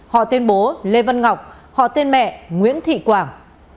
họ tên bố lê văn ngọc họ tên mẹ nguyễn thị quảng